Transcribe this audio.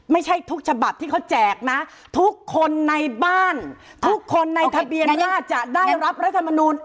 ไม่ใช่ทุกฉบับที่เขาแจกนะทุกคนในบ้านทุกคนในทะเบียนราชจะได้รับรัฐมนูล